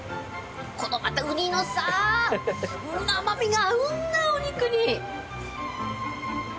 このまたウニのさ、甘みが合うんだよ、お肉に。